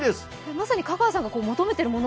まさに香川さんが求めているもの？